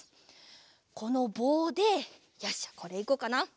このぼうでよしこれいこうかな。